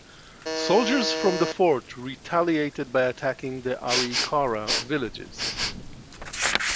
Soldiers from the fort retaliated by attacking the Arikara villages.